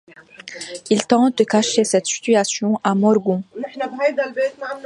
Il tente de cacher cette situation à Morgan.